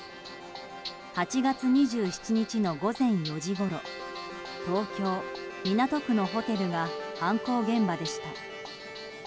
８月２７日の午前４時ごろ東京・港区のホテルが犯行現場でした。